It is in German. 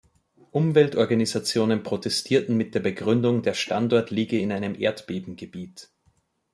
Umweltorganisationen protestierten mit der Begründung, der Standort liege in einem Erdbebengebiet.